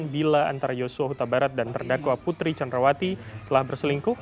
bila antara yosua huta barat dan terdakwa putri candrawati telah berselingkuh